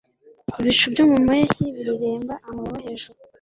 Ibicu byo mu mpeshyi bireremba amababa hejuru